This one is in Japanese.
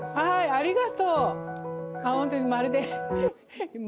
ありがとう。